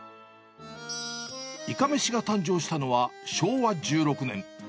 いかめしが誕生したのは、昭和１６年。